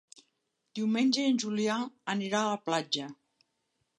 Diumenge en Julià anirà a la platja.